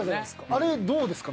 あれどうですか？